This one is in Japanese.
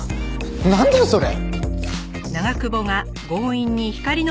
なんだよそれ！